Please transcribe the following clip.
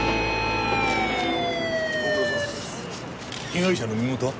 被害者の身元は？